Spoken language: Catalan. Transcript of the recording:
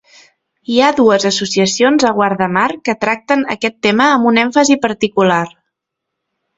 Hi ha dues associacions a Guardamar que tracten aquest tema amb una èmfasi particular.